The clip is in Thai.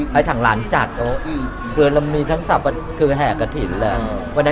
มีทั้งน้อยสะพะดิแหะกระถิ่น